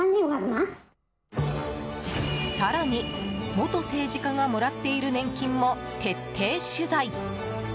更に、元政治家がもらっている年金も徹底取材！